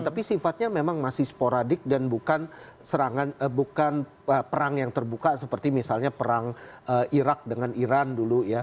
tapi sifatnya memang masih sporadik dan bukan serangan bukan perang yang terbuka seperti misalnya perang irak dengan iran dulu ya